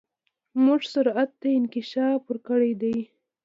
موږ سرعت ته انکشاف ورکړی دی.